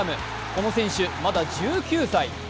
この選手、まだ１９歳。